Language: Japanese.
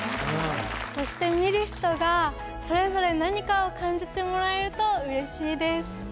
そして、見る人がそれぞれ何かを感じてもらえるとうれしいです。